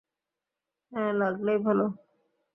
হ্যাঁ, লাগলেই ভালো।